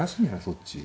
そっち。